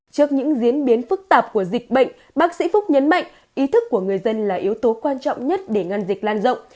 trước những diễn biến phức tạp của dịch bệnh bác sĩ phúc nhấn mạnh ý thức của người dân là yếu tố quan trọng nhất để ngăn dịch lan rộng